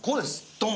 ドン！